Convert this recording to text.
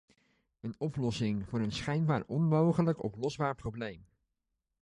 Een oplossing voor een schijnbaar onmogelijk oplosbaar probleem.